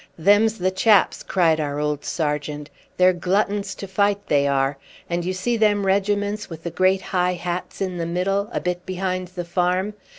"Them's the chaps!" cried our old sergeant. "They're gluttons to fight, they are. And you see them regiments with the great high hats in the middle, a bit behind the farm?